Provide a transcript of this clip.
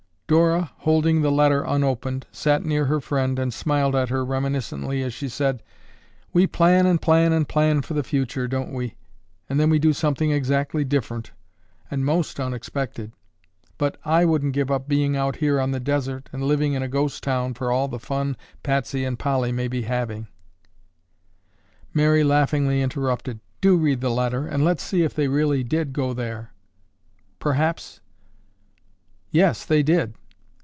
Dora, holding the letter unopened, sat near her friend and smiled at her reminiscently as she said, "We plan and plan and plan for the future, don't we, and then we do something exactly different, and most unexpected, but I wouldn't give up being out here on the desert and living in a ghost town for all the fun Patsy and Polly may be having—" Mary laughingly interrupted. "Do read the letter and let's see if they really did go there. Perhaps—" "Yes, they did."